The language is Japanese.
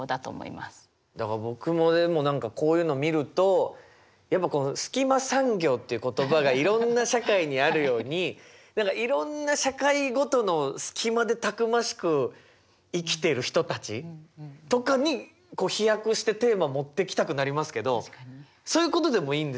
だから僕もでも何かこういうの見るとやっぱこうスキマ産業っていう言葉がいろんな社会にあるように何かいろんな社会ごとのスキマでたくましく生きてる人たちとかに飛躍してテーマ持ってきたくなりますけどそういうことでもいいんですよね？